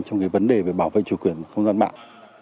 trong cái vấn đề về bảo vệ chủ quyền không gian mạng